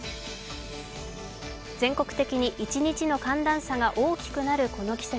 全国的に一日の寒暖差が大きくなるこの季節。